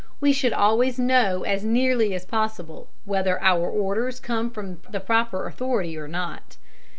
We should always know as nearly as possible whether our orders come from the proper authority or not.